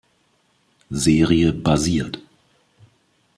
Serie basiert.